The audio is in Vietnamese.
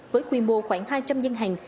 với quy mô khoảng hai trăm linh dân hàng